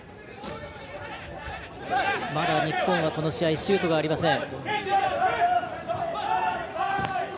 まだ日本はこの試合シュートがありません。